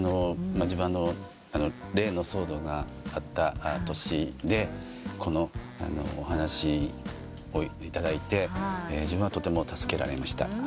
自分例の騒動があった年でこのお話を頂いて自分はとても助けられました。